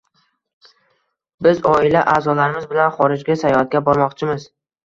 Biz oila a’zolarimiz bilan xorijga sayohatga bormoqchimiz.